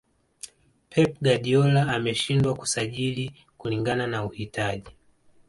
pep guardiola ameshindwa kusajili kulingana na uhitaji